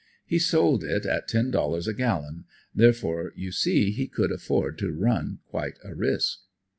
He sold it at ten dollars a gallon, therefore you see he could afford to run quite a risk.